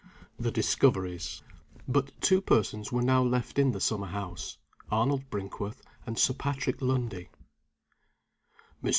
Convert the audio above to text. THE DISCOVERIES. BUT two persons were now left in the summer house Arnold Brinkworth and Sir Patrick Lundie. "Mr.